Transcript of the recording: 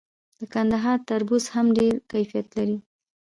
د کندهار تربوز هم ډیر کیفیت لري.